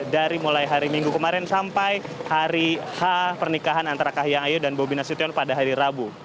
dari mulai hari minggu kemarin sampai hari h pernikahan antara kahiyang ayu dan bobi nasution pada hari rabu